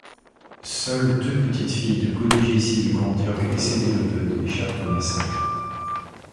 Seules, deux petites-filles de Godégisile, Gondioque et Sédéleubeude, échappent au massacre.